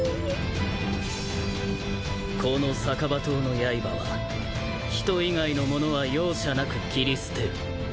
この逆刃刀のやいばは人以外のものは容赦なく斬り捨てる。